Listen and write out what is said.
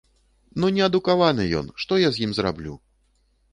Ну, неадукаваны ён, што я з ім зраблю?